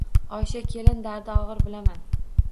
Oysha kelin dardi og‘ir, bilaman